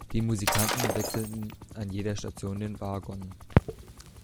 Die Musikanten wechselten an jeder Station den Wagon.